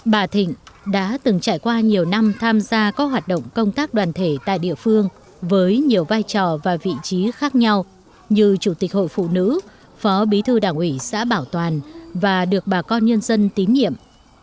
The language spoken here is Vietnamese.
bà thịnh đã từng trải qua nhiều năm tham gia các hoạt động công tác đoàn thể tại địa phương với nhiều vai trò và vị trí khác nhau như chủ tịch hội phụ nữ phó bí thư đảng ủy xã bảo toàn và được bà con nhân dân tín nhiệm